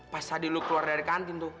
pas tadi lu keluar dari kantin tuh